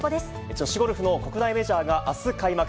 女子ゴルフの国内メジャーがあす開幕。